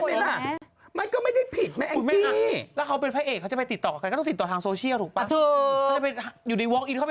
บ้างไม่ต้องตอบกับผู้หิวแล้ว